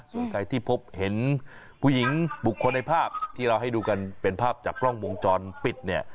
ส่วนใครที่พบเห็นผู้หญิงบุคคลในภาพที่เราให้ดูกันเป็นภาพจากกล้องวงจรปิดเนี่ย